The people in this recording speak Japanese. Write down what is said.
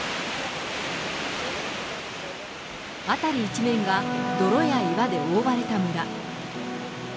辺り一面が泥や岩で覆われた村。